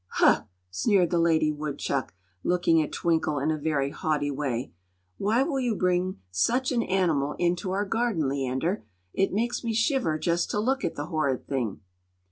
"Huh!" sneered the lady woodchuck, looking at Twinkle in a very haughty way; "why will you bring such an animal into our garden, Leander? It makes me shiver just to look at the horrid thing!"